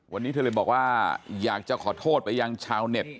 วันนี้เธอเลยบอกว่าอยากจะขอโทษไปยังชาวเน็ต